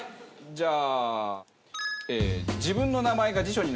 じゃあ。